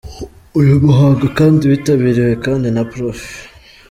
Uyu muhango kandi witabiriwe kandi na Prof.